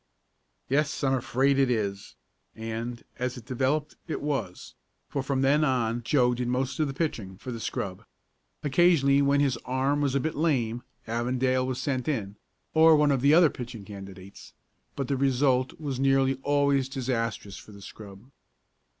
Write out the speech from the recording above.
"Yes, I'm afraid it is," and, as it developed, it was, for from then on Joe did most of the pitching for the scrub. Occasionally, when his arm was a bit lame, Avondale was sent in, or one of the other pitching candidates, but the result was nearly always disastrous for the scrub.